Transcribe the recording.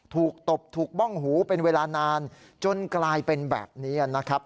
ตบถูกบ้องหูเป็นเวลานานจนกลายเป็นแบบนี้นะครับ